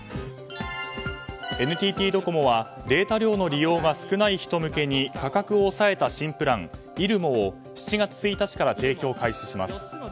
ＮＴＴドコモはデータ量の利用が少ない人向けに価格を抑えた新プラン、ｉｒｕｍｏを７月１日から提供開始します。